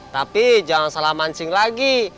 tapi jangan salah mancing lagi